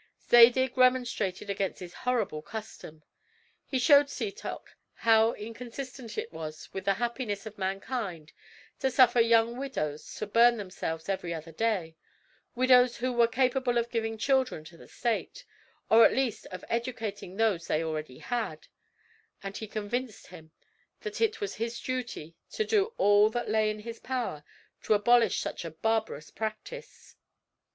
Zadig remonstrated against this horrible custom; he showed Setoc how inconsistent it was with the happiness of mankind to suffer young widows to burn themselves every other day, widows who were capable of giving children to the state, or at least of educating those they already had; and he convinced him that it was his duty to do all that lay in his power to abolish such a barbarous practice.